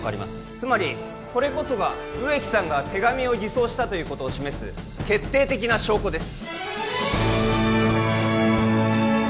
つまりこれこそが植木さんが手紙を偽装したということを示す決定的な証拠です